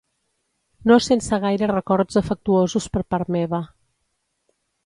No sense gaire records afectuosos per part meva.